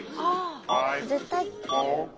絶対。